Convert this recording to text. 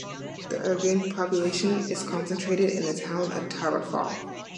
The urban population is concentrated in the town of Tarrafal.